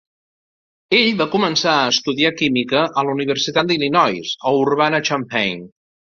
Ell va començar a estudiar química a la Universitat d'Illinois a Urbana-Champaign.